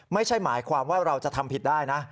ไม่ใช่หมายความว่าเราจะทำผิดได้นะ